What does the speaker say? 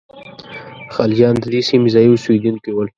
خلجیان د دې سیمې ځايي اوسېدونکي ول.